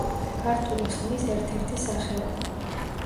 ქართული ხმლის ერთ-ერთი სახეობა.